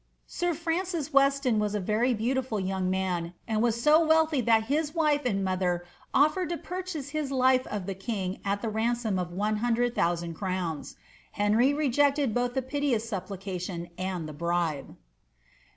Sir Francis Weston was a very beautiful young man, and so wealthy that his wife and mother ofllered to purchase his life of the king at the ransom of 100,000 crowns. Henry rejected both the piteous supplica tion and the bribe.